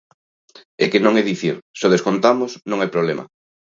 É que non é dicir: se o descontamos, non hai problema.